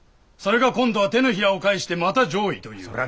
それが今度は手のひらを返してまた攘夷という。